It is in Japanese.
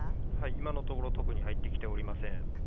今のところ特に入ってきておりません。